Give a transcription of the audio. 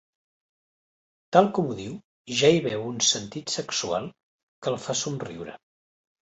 Tal com ho diu ja hi veu un sentit sexual que el fa somriure.